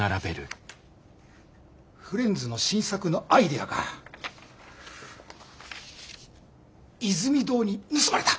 フレンズの新作のアイデアがイズミ堂に盗まれた。